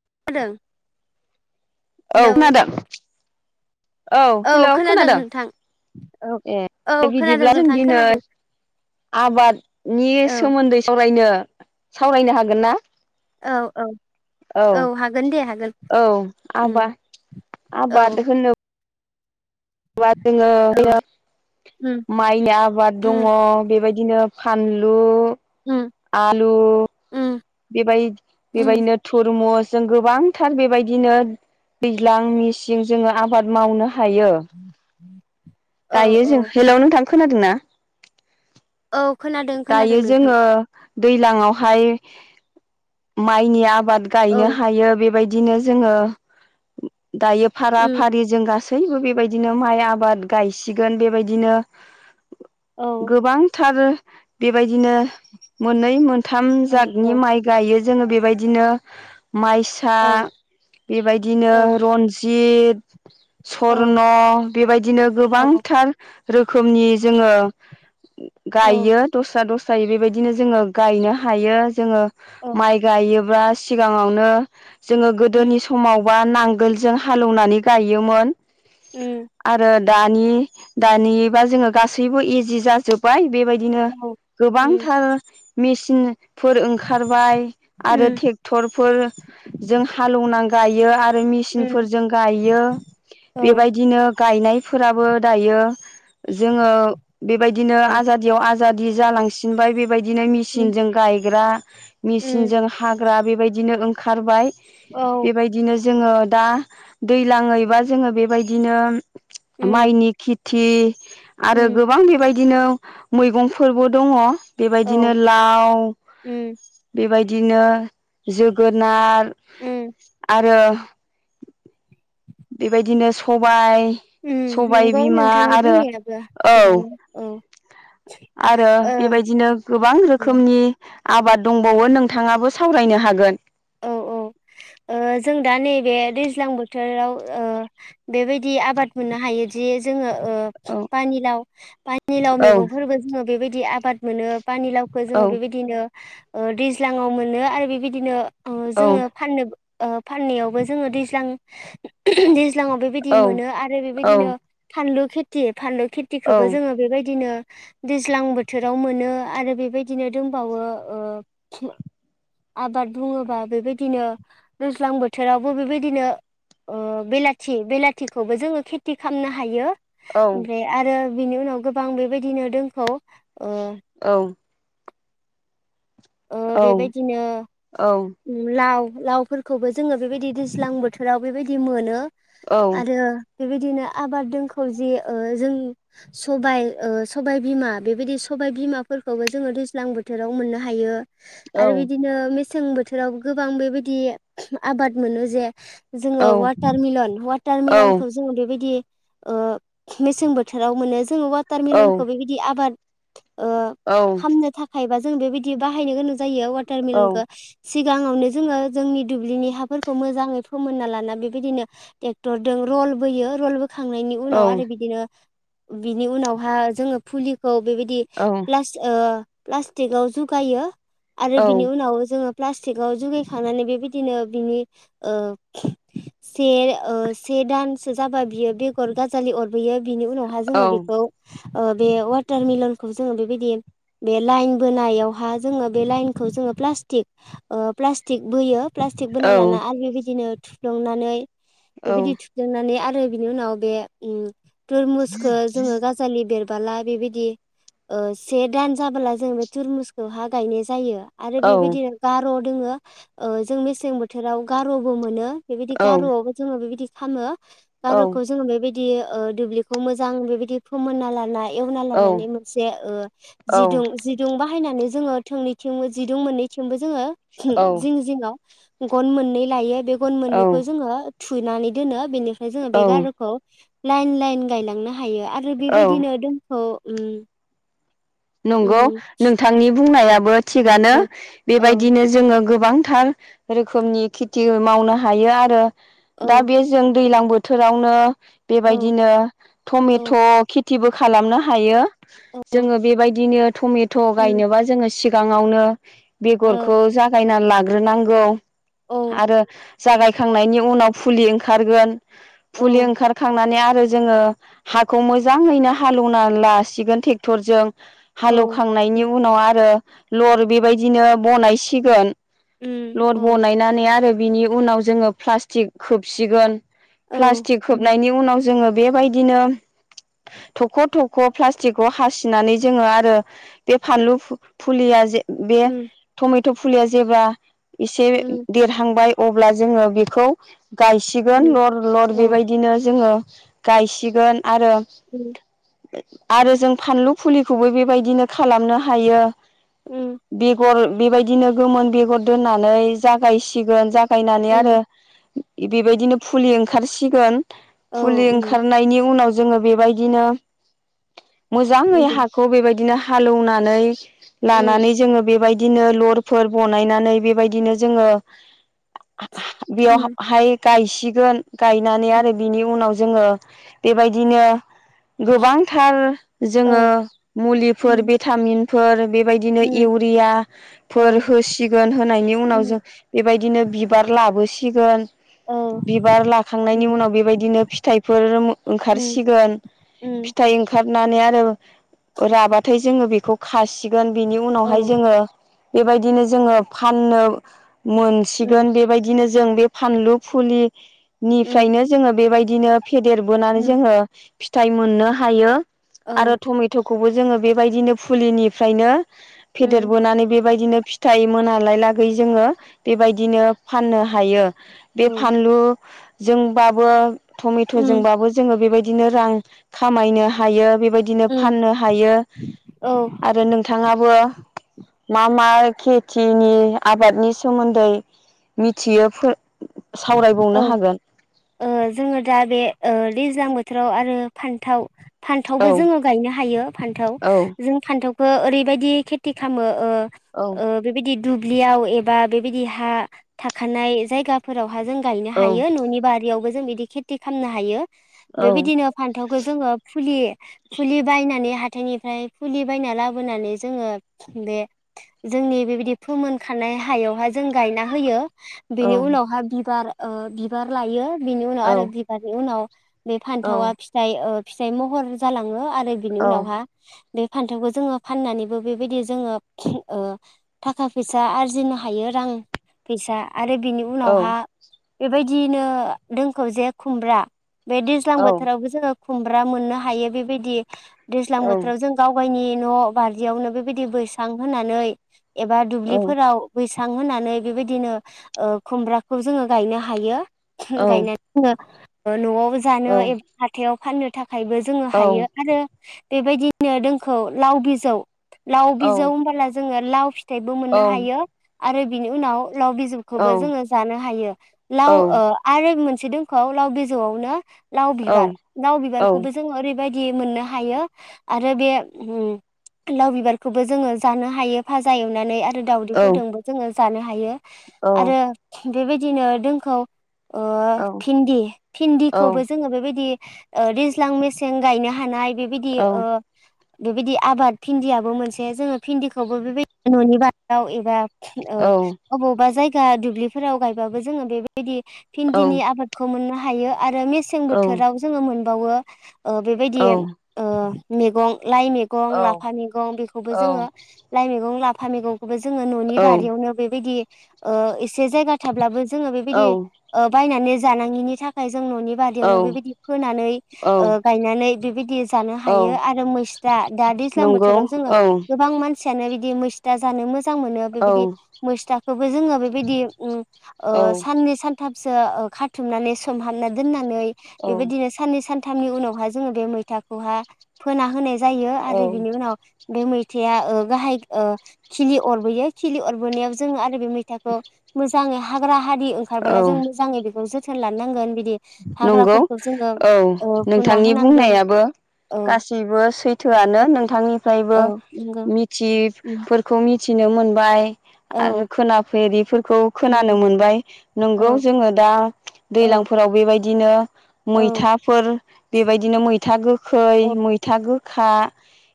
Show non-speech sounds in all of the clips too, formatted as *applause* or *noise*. *unintelligible* औ हेलौ खोनादों औ हेल' खोनादों औ ए दे औ खोनादों बिदिब्ला जों नोंथां दिनै खोनादों आबादनि औ सोमोन्दै सावरायनो सावरायनो हागोनना औ औ औ हागोन दे हागोन औ उम आबाद औ आबाद होनो औ उम *unintelligible* माइनि आबाद दङ उम बेबाय दिनो फानलु उम आलु उम बेबाय उम बेबायदिनो थुरमुस जों गोबांथार बेबायदिनो दैज्लां मेसिं जोङो आबाद मावनो हा यो औ दायो जों औ हेल' नोंथां खोनादोंना? औ खोनादों खोनादों दायो नोंथां जोङो दैलांआवहाय माइनि आ बाद औ गायनो हायो बेबायदि बिदिनो जोङो। दायो फारा उम फारि जों गासै सैबो बेबायदिनो माइ आबाद गायसिगोन बेबायदिनो। औ गोबांथार बेबायदिनो मोनै मोन थाम औ औ जादनि औ माइ गायो। जोङो बेबायदिनो माइसा औ बेबायदिनो औ रनजि बिद औ स्वर्न बेबायदिनो औ गोबांथार रोखोमनि जोङो गायो दस्रायै बेबायदिनो जोङो गायनो हायो जोङो औ माइ गायो बा सिगाङावनो जोङो गोदोनि उम समाव बा नांगोलजों हालौवनानै गायोमोन उम आरो दानि दानिबा जोङो गासैबो इजि जाजोब्बाय बेबायदिनो औ उम गोबांथार मेसिन फोर ओंखारबाय आरो उम थेक्टरफोर जों हालेवना गायो आरो उम मेसिनफोरजों गायो औ बेबायदिनो गायनायफोराबो दायो। जोङो बेबायदिनो औ आजादियाव आजा दि जालांसिनबाय बेबायदि। बिदिनो मेसिन उम जों गायग्रा मेसिन उम जों हा ग्रा बेबायदिनो ओंखारबाय। औ बेबायदिनो जोङो दा दैलाङैबा जोङो बेबायदिनो उम माइनि खि थि आरो उम गोबां बे बाय दिनो मैगं फोरबो दङ। बे औ बायदिनो लाव उम बेबाय दिनो जोगोनार उम आरो बेबायदिनो सबाय उम सबाय नंगौ बिमा नोंथांनि आरो बुंनायाबो औ थिगानो औ आरो ओ बे बायदिनो गोबां रोखोमनि आबाद दंबावो नोंथाङाबो सावरायनो हागोन। औ औ जों दा नैबे दैज्लां बोथोराव ओ बेबायदि आबाद मोननो हायोदि जोङो ओ औ पानि लाव, पानि लाव औ मेगं फोरबो जों बेबाय दि आबाद मोनो। पानि लावखौ औ जोङो बि-बिदिनो ओ दैज्लाङाव मोनो आरो बि-बिदिनो अ' औ जोङो फाननो ओ फाननायावबो जोङो दैज्लां दैज ज्लां बि-बिदि औ मोनो आरो औ बि-बिदिनो फानलु खिथि एब फानलु औ खेथिखौबो जोङो बेबायदिनो दैज्लां बोथोराव मोनो आरो बेबायदिनो दंबावो ओ आबाद बुङोबा बेबायदिनो दैज्लां बोथोरावबो बेबायदिनो ओ बेलाथि बेलाथिखौबो जोङो खेथि खालामनो हायो। औ ओमफ्राय आरो बिनि उनाव गोबां बेबायदिनो दोंखौ ओ औ ओ औ औ बेबायदिनो औ लाव लावफोरखौबो जोङो बेबायदि दैज्लां बोथोराव बेबायदि मोनो। औ आरो बेबायदिनो आबाद दोंखौ जे ओ जों सबाय ओ सबाय बिमा बेबायदि सबाय बिमाफोरखौबो जोङो दैज्लां बोथोराव मोननो हायो। औ आरो बिदिनो मेस सें बोथ थोराव गोबां बेबायदि आबाद मोनो जे जोङो औ वाटार मिलन हवाटार मिलनखौ जोङो बेबायदि ओ मेसें बोथोराव मोनो। जोङो औ वाटारमेलनखौ बेबायदि आबाद ओ औ फाननो थाखाय बा- जों बेबायदि बाहायनो गोनां जायो औ वाटारमिलनखो सिगाङावनो जोङो जोंनि दुब्लिनि हाफोरखौ मोजाङै फोमोनना लाना बेबायदिनो ट्रेक्टरजों रलबोयो रलबो खांनायनि उनाव आरो बिदिनो बिनि उनावहााय जोङो फुलिखौ बेबायदि दि प्लास ओ प्लास्टिकआव जुगायो। आरो बिनि उनाव जोङो। प्लास्टिकआव जुगायखांनानै बेबायदिनो ओ बिनि से ओ से दानसो जाबा बियो बेगर गाजालि अरबोयो। बिनि उनावहााय जोङो बेखौ बे वाटार मिलनखौ जोङो बेबायदि बे लाइन बोनायावहा जोङो बे लाइनखौ जोङो प्लास्टिक। ओ प्लास्टिक बोयो। प्लास्टिक बोना लाना आरो बेबायदिनो थुफ्लंनानै बेबायदि थुफ्लंनानै आलि आरो बिनि उनाव बे उम। टरमुसखौ जोङो गाजालि बेर बोला बेबायदि ओ से दान जाबोला जों बे टरमुसखौ हा गायनाय जायो। आरो बेबायदिनो दोङो जों मेसें बोथोराव गार'बो मोनो। बेबायदि गारवावबो जोंङो बेबायदि फानो। गार'खौ जोङो बेबायदि बिदि दुब्लिखौ मोजां बेबायदि फोमोनना लानाय। एवना लानानै मोनसे ओ जिदुं जिदुंबा बाहायनानै जोङो थोंनैथिं जिदुं मोननैथिं जोङो जिं जिङाव। गन मोननै लायो बेखौ गन मोननैखौ जोङो। थुनानै दोनो बेनि फ्राय जोङो बे औ गार'खौ लाइन लाइन गायलांनो हायो। आरो औ औ बेबायदिनो दोमखौ उम। नंगौ उम नोंथांनि बुंनाया बो थिगानो औ औ बेबायदिनो जोङो गोबांथार रोखोमनि खेथि मावनो हायो आरो। दा औ बे जों दैलां बोथोरावनो औ बेबायदिनो उम ओ टमेट' खेथिबो खालामनो हायो औ औ औ जोङो बेबायदिनो टमेट' उम गायनोबा जोङो सि गाङावनो उम बेगरखौ जागायना ला ग्रोनांगौ। औ आरो जागायखांनायनि उनाव फुलि ओंखारगोन औ फुलि ओंखारखांनानै आरो जोङो हाखौ मोजाङैनो हालोवना लासिगोन टेक्टरजों। हालौखांनायनि उनाव आरो लर बेबायदिनो बनायसिगोन। लर बनायनानै आरो बिनि उनाव जोङो प्लास्टिक खोबसिगोन। प्लास्टिक उम खोबनायनि उनाव जोङो बेबायदिनो थख' थख' प्लास्टिकखौ हासिनानै जोङो आरो बे फानलु फु-फुलिया जे बे उम टमे थ' फुलिया जेबा एसे उम देरहांबाय अब्ला जोङो बेखौ गायसिगोन। उम लर लर औ बेबायदिनो जोङो गायसिगोन आरो उम आरो जों फानलु फुलिखौबो बेबायदिनो खालामनो हायो उम बेगर बेबायदिनो गोमोन बेगर दोननानै जागायसिगोन जा गायनानै आरो उम बेबायदिनो फुलि ओंखारसिगोन। औ फुलि उम ओंखारनायनि उनाव जोङो बेबायदिनो उम मोजांयै खौ बेबायदिनो हालेवनानै उम लानानै जोङो बेबाय बिदिनो लरफोर बनायनानै बेबायदिनो जोङो बियाव उम हाय गायसिगोन। गायनानै आरो बिनि उनाव जोङो बेबायदिनो गोबांथार जोङो औ मुलिफोर उम भिटामिन फोर बेबायदिनो उम औ इउरियाफोर होसिगोन होनायनि उनाव जों उम बेबायदिनो बिबार लाबोसिगोन। औ उम बिबार लाखांनायनि उम उनाव बेबायदिनो फिथाइफोर उम ओंखारसिगोन औ फिथाइ ओंखार नानै आरो राबाथाय जोङो बेखौ खासि गोन बिनि उनावहाय उम जोङो बेबायदिनो जोङो फाननो उम मोनसिगोन बेबायदिनो जों बे फानलु फुलि निफ्रायनो जोङो बेबाय दिनो फेदेर बोनानै उम जोङो फिथाइ मोननो हायो। औ आरो थुमै खौबो जोङो बेबायदिनो फुलिनिफ्रायनो उम औ फेदेरबोनानै बेबायदिनो फिथाइ मोनालाय लागै जोङो बेबायदिनो फाननो हायो बे फानलु जोंबाबो टमेट' उम जोंबाबो जोङो बेबायदि बिदिनो रां खामायनो हायो बेबायदिनो उम फाननो हायो औ आरो नोंथाङाबो मा मा खेथिनि आबादनि सोमोन्दै मिथियो फो औ ओ जोङो दा बे ओ दैज्लां बोथोराव आरो फान्थाव फान्थावबो औ जोङो गायनो हायो फान्थाव औ जों फान्थाव ओ ओरैबायदि खेथि खालामो ओ औ ओ बेबायदि दुब्लियाव एबा बेबायदि हा थाखानाय जायगा फोरावहा जों गायनो औ हायो न'नि बारियावबो जों बिदि खेथि खालामनो हायो औ बेबायदिनो फान्थावखौ जोङो फुलि फुलि बायनानै हाथायनिफ्राय फुलि बायना लाबोनानै जोङो बे जोंनि बेबायदि फोमोन खानाय हायावहाय जों गायना होयो औ बिनि उनाव बिबार ओ बिबार लायो बिनि उनाव औ आरो बिबारनि उनाव बे औ फान्थावा फिथाइ ओ फिथाइ महर जालाङो आ रो बिनि औ उनावहा बे फान्थावखौ जोङो फाननानैबो बेबायदि जोङो ओ थाखा फैसा आरजिनो हायो रां फैसा आरो बेनि औ हा बेबाय दिनो दोंखौ जे खुमब्रा बे दैज्लां औ बोथोरावबो जोङो खुमब्रा मोननो हायो बेबायदि दैज्लां औ बोथोराव जों गावगायनि न' बारियावनो बेबायदि बैसां होनानै एबा दुब्लिफोराव बै सां होनानै बेबायदिनो ओ खुमब्रा खौ जोङो गायनो हायो। फा गायनो जोङो न'आव जानो एबा हाथायाव। फाननो था खायबो जोङो हायो आरो। बेबायदिनो दोंखौ लाव बिजौ लाव बिजौ होनबोला जोङो लाव फि थाइबो मोननो हायो। आरो बिनि उनाव लाव बिजौखौबो जोङो *unintelligible* बे मोनसे दोंखौ लाव बिजौआवनो लाव बिबार, औ लाव बिबारखौबो जोङो ओरैबाय दि मोननो हायो, आरो बे लाव बिबारखौबो जोङो जानो हायो फाजा एवनानै दाउदैफोरजोंबो जोङो जानो हायो‌। आरो बेबायदिनो दोंखौ भिन्दि, भिन्दिखौबो जोङो बेबायदि दैज्लां मेसें गायनो हानाय बेबायदि अ बेबायदि आबाद भिन्दियाबो मोनसे जोङो भिन्दिखौबो बेबायदि न'नि बारियाव एबा औ अबावबा जाय गा दुब्लि फोराव गायबाबो जों बे बा यदि भिन्दिनि आबादखौ मोननो हा यो आरो मेसें बोथोराव जोङो मोन बावो बेबायदि ओ मैगं। लाइ मैगं, लाफा मैगं बेखौबो जोङो लाइ मैगं ला था मैगं खौबो जोङो न'नि औ बारियावनो बेबायदि ओ इस से जायगा थाब्लाबो जोङो औ बेबायदि औ ओ बायनानै जानांङिनि थाखाय जों न'नि औ बारियावनो बेबायदि फोनानै औ ओ गायनानै बेबायदि जानो औ हायो आरो मैसता दा दैज्लां नंगौ बोथोराव जोङो औ गोबां मानसियानो बि दि मैस्था जानो मोजां मोजां मोनो औ बेबायदि मैस्थाखोबो जोङो बेबायदि उम ओ औ साननै सानथाम सो ओ खाथुमनानै सोमहानना दोननानै औ बेबायदिनो साननै सान सानथामनि उनावहा जोङो बे मैथाखौहा फोना होनाय जायो औ आरो बिनि उनाव बे मै थाया ओ गाहाय ओ खिलि अरबोयो खिलि अरबोनायाव जोङो आरो बे मैथाखौ मोजाङै हाग्रा हारि ओंखारबोला जों मोजाङै बेखौ जोथ थोन लानो नांगोन बि नंगौ औ ओ फुना नोंथांनि होनांगोन बुंनायाबो औ गासैबो सैथोआनो नोंथांनिफ्रायबो औ नंगौ उम मिथिफोरखौ मि थिनो मोनबाय। औ आरो खोना फेरि औ खोनानो उम मोनबाय। नंगौ औ जोङो दा औ। दैलां औ बेबायदिनो औ मैथाफोर बेबायदिनो मैथा गो खै औ मैथा गोखा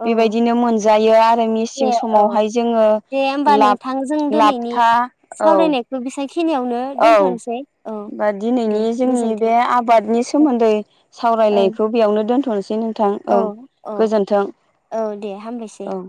औ बेबायदिनो मोनजायो आरो मेसिं दे औ समावहाय जोङो दे होमबा ला नोंथां जों दिनैनि लाबथा औ सावरायनायखौ बेसांखिनियावनो औ दोनथ'नोसै औ बा दे दिनैनि जोंनि बे गोजोन्थों आबादनि औ सोमोन्दै सावरायनायखौ बेयावनो दोन थनोसै नों थां औ गोजोनथों औ दे हामबायसै औ।